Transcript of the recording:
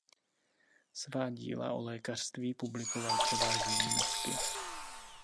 Svá díla o lékařství publikoval převážně německy.